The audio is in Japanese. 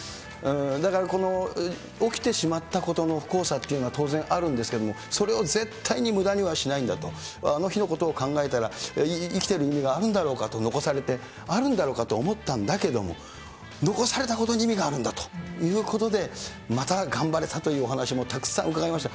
だからこの起きてしまったことの不幸さというのは当然あるんですけれども、それを絶対にむだにはしないんだと、あの日のことを考えたら生きてる意味があるんだろうかと、残されてあるんだろうかと思ったんだけれども、残されたことに意味があるんだということで、また頑張れたというお話もたくさん伺いました。